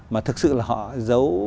mà thực sự là họ giấu